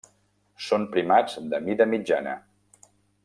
Són primats de mida mitjana.